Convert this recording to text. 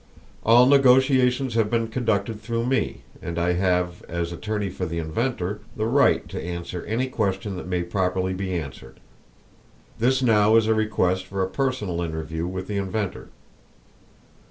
"All negotiations have been conducted through me, and I have, as attorney for the inventor, the right to answer any question that may properly be answered. This now is a request for a personal interview with the inventor."